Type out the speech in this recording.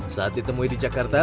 saat ditemui di jakarta